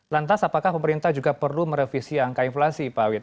lantas apakah pemerintah juga perlu merevisi angka inflasi pak wid